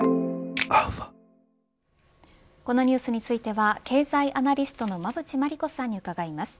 このニュースについては経済アナリストの馬渕磨理子さんに伺います。